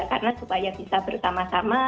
karena supaya bisa bersama sama